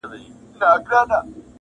زما پۀ زړۀ بلاندي د تورو ګزارونه كېدل,